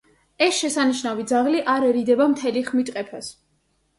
ეს შესანიშნავი ძაღლი არ ერიდება მთელი ხმით ყეფას.